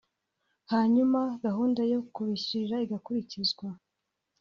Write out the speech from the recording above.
hanyuma gahunda yo kubishyurira igakurikizwa